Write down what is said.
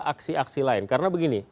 aksi aksi lain karena begini